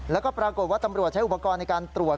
แล้วก็ปรากฏว่าตำรวจใช้อุปกรณ์ในการตรวจ